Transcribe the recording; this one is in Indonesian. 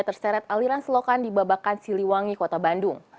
terseret aliran selokan di babakan siliwangi kota bandung